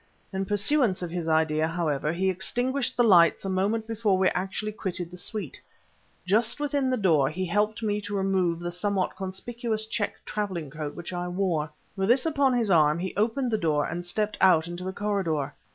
In pursuance of his idea, however, he extinguished the lights a moment before we actually quitted the suite. Just within the door he helped me to remove the somewhat conspicuous check traveling coat which I wore. With this upon his arm he opened the door and stepped out into the corridor.